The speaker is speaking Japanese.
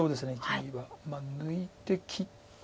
切りは抜いて切って。